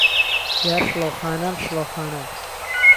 یار شڵهو خانان، شڵهو خانان